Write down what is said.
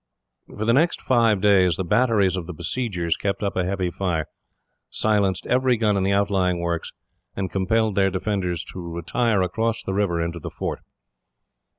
For the next five days, the batteries of the besiegers kept up a heavy fire, silenced every gun in the outlying works, and compelled their defenders to retire across the river into the fort.